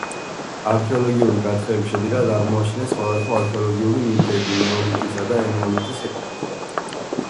არქეოლოგიური გათხრების შედეგად აღმოაჩინეს სხვადასხვა არექოლოგიური ნივთები ნეოლითისა და ენეოლითის ეპოქიდან.